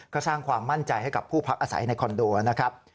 ก็สร้างความมั่นใจให้กับผู้พักอาศัยในคอนโดนะครับ